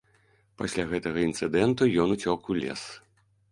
Пасля гэтага інцыдэнту ён уцёк у лес.